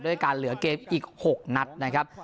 การเหลือเกมอีก๖นัดนะครับ